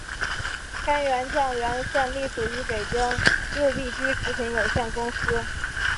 天源酱园现隶属于北京六必居食品有限公司。